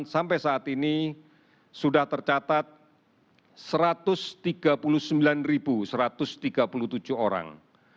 sudah tercatat satu ratus tiga puluh sembilan satu ratus tiga puluh tujuh orang